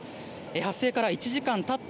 発生から１時間たった